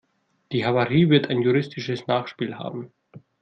Die Havarie wird ein juristisches Nachspiel haben.